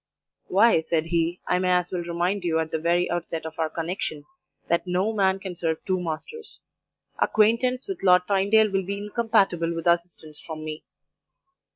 "'Why,' said he, 'I may as well remind you at the very outset of our connection, that "no man can serve two masters." Acquaintance with Lord Tynedale will be incompatible with assistance from me.